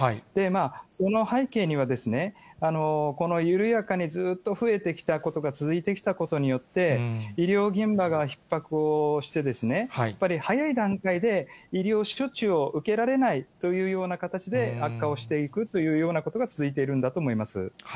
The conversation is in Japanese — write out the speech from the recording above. その背景には、この緩やかにずっと増えてきたことが続いてきたことによって、医療現場がひっ迫をして、やっぱり早い段階で医療処置を受けられないというような形で悪化をしていくというようなことが、続いているんだと思います。